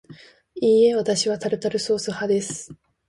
いいえ、わたしはタルタルソース派です